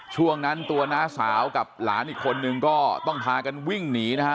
ช่วงนั้นตัวน้าสาวกับหลานอีกคนนึงก็ต้องพากันวิ่งหนีนะฮะ